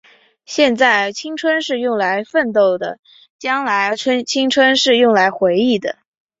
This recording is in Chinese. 现在，青春是用来奋斗的；将来，青春是用来回忆的。